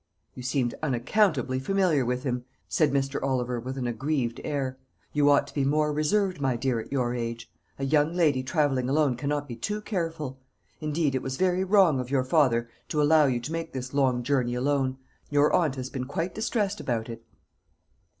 "You seemed unaccountably familiar with him," said Mr. Oliver with an aggrieved air; "you ought to be more reserved, my dear, at your age. A young lady travelling alone cannot be too careful. Indeed, it was very wrong of your father to allow you to make this long journey alone. Your aunt has been quite distressed about it."